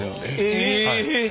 え！